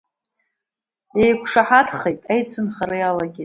Еиқәшаҳаҭхеит, аицынхара иалагеит.